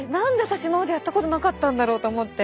今までやったことなかったんだろうと思って。